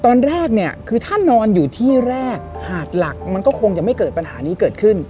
ตอนแรกเนี่ยคือถ้านอนอยู่ที่แรกหาดหลักมันก็คงจะไม่เกิดปัญหานี้เกิดขึ้น